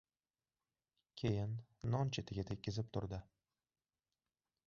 Keyin, non chetiga tegizib turdi.